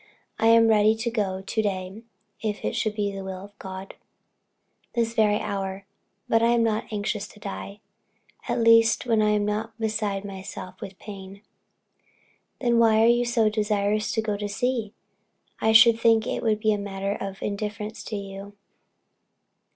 I am ready to go to day if it should be the will of God, this very hour; but I am not anxious to die at least when I am not beside myself with pain." "Then why are you so desirous to go to sea? I should think it would be a matter of indifference to you."